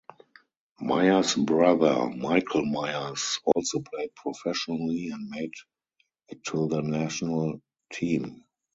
Myers' brother Michael Myers also played professionally and made it to the national team.